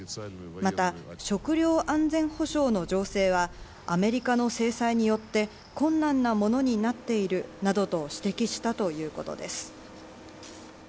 また食料安全保障の情勢は、アメリカの制裁によって困難なものになっているなどと指摘したということです。